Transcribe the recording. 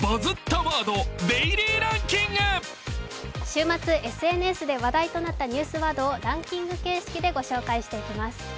週末、ＳＮＳで話題となったニュースワードをランキング形式でご紹介していきます。